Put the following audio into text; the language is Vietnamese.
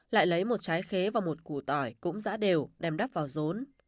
lại lấy một trái khế và một củ tỏi cũng giã đều đem đắp vào rốn